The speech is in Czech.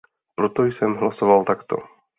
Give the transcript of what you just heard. Proto jsem hlasoval takto.